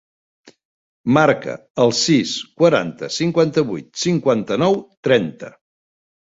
Marca el sis, quaranta, cinquanta-vuit, cinquanta-nou, trenta.